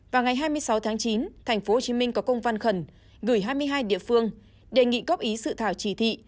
vào ngày hai mươi sáu tháng chín tp hcm có công văn khẩn gửi hai mươi hai địa phương đề nghị góp ý sự thảo chỉ thị